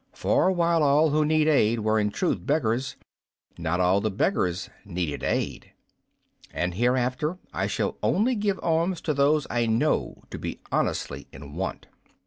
For, while all who needed aid were in truth beggars, not all the beggars needed aid; and hereafter I shall only give alms to those I know to be honestly in want."